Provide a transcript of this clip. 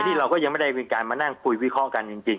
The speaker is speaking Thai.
นี่เราก็ยังไม่ได้มีการมานั่งคุยวิเคราะห์กันจริง